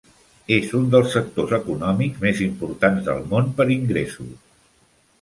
És un dels sectors econòmics més importants del món per ingressos.